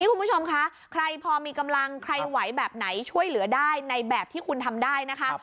คุณผู้ชมคะใครพอมีกำลังใครไหวแบบไหนช่วยเหลือได้ในแบบที่คุณทำได้นะคะ